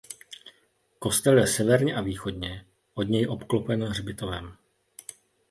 Kostel je severně a východně od něj obklopen hřbitovem.